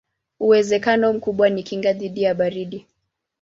Uwezekano mkubwa ni kinga dhidi ya baridi.